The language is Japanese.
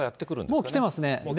もう来てますね。